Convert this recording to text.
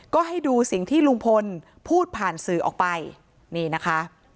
ก็ให้ดูสิ่งที่ลุงพลพูดผ่านสื่อออกไปนี่นะคะ